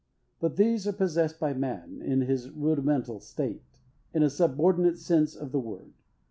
But these are possessed by man, in his rudimental state, in a subordinate sense of the word.